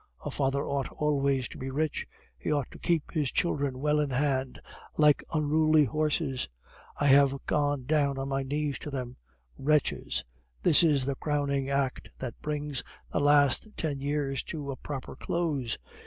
A father ought always to be rich; he ought to keep his children well in hand, like unruly horses. I have gone down on my knees to them. Wretches! this is the crowning act that brings the last ten years to a proper close.